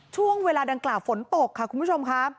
ช่วงเวลาดังกล่าวฝนตกค่ะคุณผู้ชมค่ะ